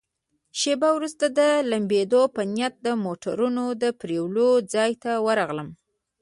شیبه وروسته د لمبېدو په نیت د موټرونو د پرېولو ځای ته ورغلم.